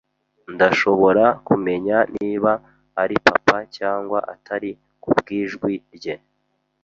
Ndashobora kumenya niba ari Papa cyangwa atari kubwijwi rye.